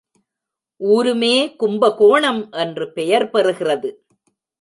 ஊருமே கும்பகோணம் என்று பெயர் பெறுகிறது.